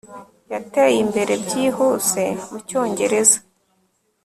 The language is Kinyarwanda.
yateye imbere byihuse mucyongereza